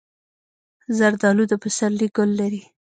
زردالو د پسرلي ګل لري.